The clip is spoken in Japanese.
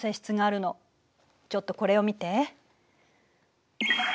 ちょっとこれを見て。